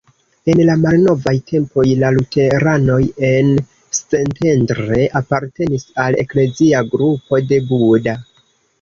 En la malnovaj tempoj la luteranoj en Szentendre apartenis al eklezia grupo de Buda.